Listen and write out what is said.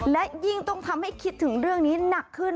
และยิ่งต้องทำให้คิดถึงเรื่องนี้หนักขึ้น